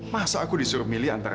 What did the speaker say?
masa aku disuruh milih antara